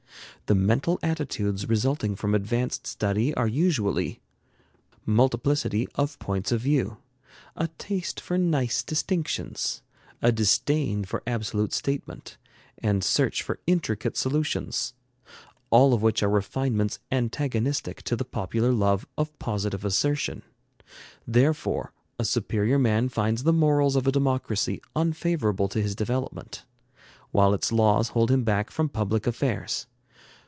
The mental attitudes resulting from advanced study are usually multiplicity of points of view; a taste for nice distinctions; a disdain for absolute statement; and search for intricate solutions; all of which are refinements antagonistic to the popular love of positive assertion. Therefore a superior man finds the morals of a democracy unfavorable to his development, while its laws hold him back from public affairs.